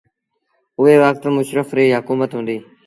اُئي وکت مشرڦ ريٚ هڪومت هُݩديٚ۔